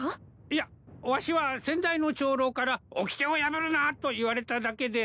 いやわしは先代の長老から「おきてを破るな！」と言われただけで。